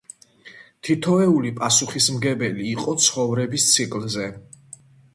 თითოეული პასუხისმგებელი იყო ცხოვრების ციკლზე.